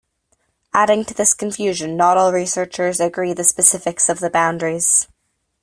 Adding to this confusion not all researchers agree the specifics of the boundaries.